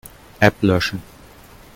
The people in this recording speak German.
App löschen.